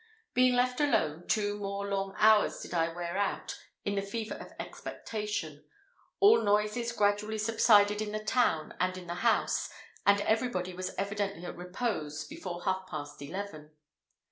Being left alone, two more long hours did I wear out in the fever of expectation. All noises gradually subsided in the town and in the house, and everybody was evidently at repose before half past eleven.